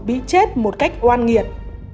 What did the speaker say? bị chết một cách oan nghiệt